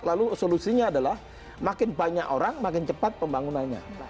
lalu solusinya adalah makin banyak orang makin cepat pembangunannya